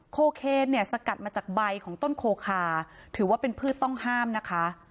โคเคนเนี่ยสกัดมาจากใบของต้นโคคาถือว่าเป็นพืชต้องห้ามนะคะ